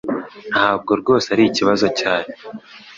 Ntabwo rwose ari ikibazo cyane.